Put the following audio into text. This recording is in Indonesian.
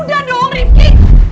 udah dong rifki